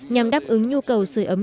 nhằm đáp ứng nhu cầu sửa ấm